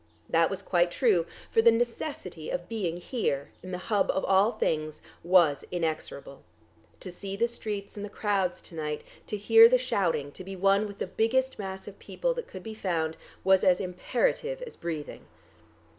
That was quite true, for the necessity of being here, in the hub of all things, was inexorable. To see the streets and the crowds to night, to hear the shouting, to be one with the biggest mass of people that could be found, was as imperative as breathing.